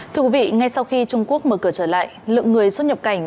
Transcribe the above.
thưa quý vị ngay sau khi trung quốc mở cửa trở lại lượng người xuất nhập cảnh